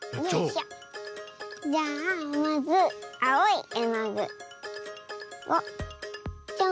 じゃあまずあおいえのぐをちょん。